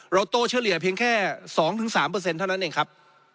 โตเฉลี่ยเพียงแค่๒๓เท่านั้นเองครับ